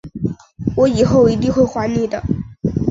我以后一定会还你的